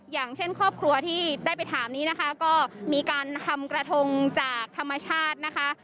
อย่างเช่นครอบครัวที่ได้ไปถามนี้นะคะก็มีการทำกระทงจากธรรมชาตินะคะ